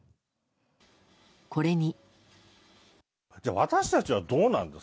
これに。